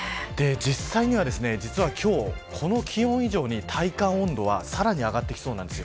実際には実は今日この気温以上に体感温度はさらに上がってきそうです。